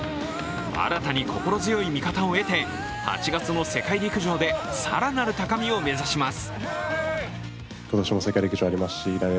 新たに心強い味方を得て８月の世界陸上で更なる高みを目指します。